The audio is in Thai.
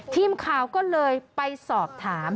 ทีมข่าวก็เลยไปสอบถาม